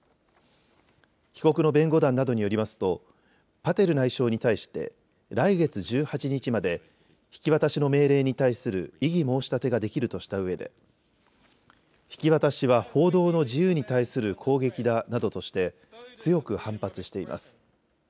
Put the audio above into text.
被告の弁護団などによりますとパテル内相に対して来月１８日まで引き渡しの命令に対する異議申し立てができるとしたうえで引き渡しは報道の自由に対する攻撃だなどとして強く反発しています。